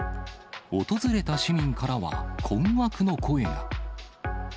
訪れた市民からは困惑の声が。